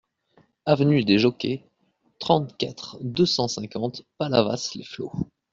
Avenue des Jockeys, trente-quatre, deux cent cinquante Palavas-les-Flots